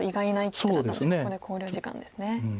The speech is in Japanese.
ここで考慮時間ですね。